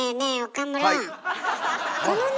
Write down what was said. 岡村。